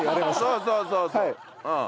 そうそうそうそううん。